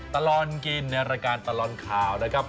ตลอดกินในรายการตลอดข่าวนะครับ